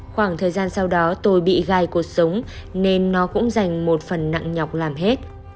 khoảng thời gian sau đó tôi bị gai cuộc sống nên nó cũng dành một phần nặng nhọc làm hết